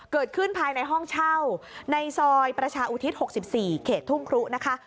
เกิดขึ้นภายในห้องเช่าในซอยประชาอุทิศ๖๔เขตทุ่งครุนะคะ